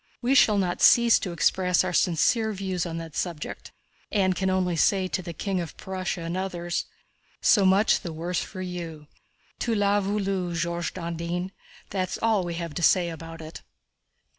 We shall not cease to express our sincere views on that subject, and can only say to the King of Prussia and others: 'So much the worse for you. Tu l'as voulu, George Dandin,' that's all we have to say about it!"